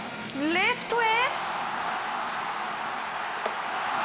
レフトへ！